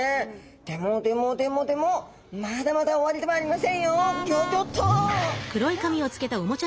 でもでもでもでもまだまだ終わりではありませんよ。